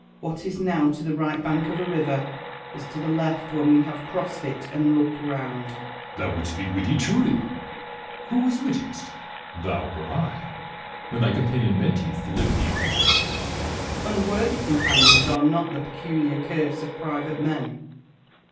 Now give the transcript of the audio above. What is now to the right bank of a river, is to the left when we have crossed it and look round. Edward. Thou wouldst be witty truly ! Who was wittiest, thou or I, when thy companion Menteith delivered thee into my hands ? Wallace. Unworthy companions are not the peculiar curse of private men.